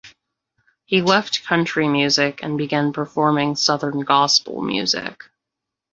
He left country music and began performing Southern gospel music.